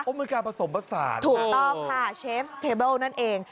โอ้มายการ์ผสมประสานถูกต้องค่ะเชฟส์เทบล์นั่นเอง